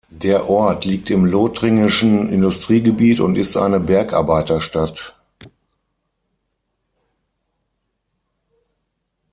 Der Ort liegt im lothringischen Industriegebiet und ist eine Bergarbeiterstadt.